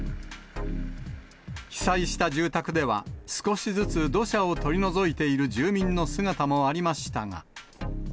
被災した住宅では、少しずつ土砂を取り除いている住民の姿もありましたが。